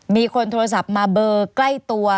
มีคนโทรศัพท์มาเบอร์ใกล้ตัว